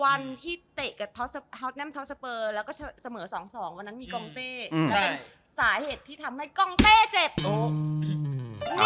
วันที่เตะกับแล้วก็เสมอสองสองวันนั้นมีกองเต้อืมใช่แล้วเป็นสาเหตุที่ทำให้กองเต้เจ็บโอ้